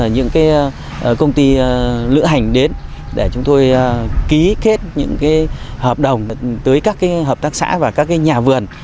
những công ty lữ hành đến để chúng tôi ký kết những hợp đồng tới các hợp tác xã và các nhà vườn